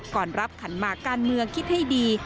ก่อนรับขันหมากการเมืองคิดให้ดี